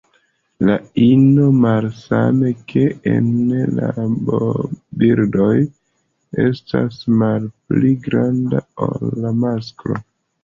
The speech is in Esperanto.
La ino, malsame ke en rabobirdoj, estas malpli granda ol la masklo.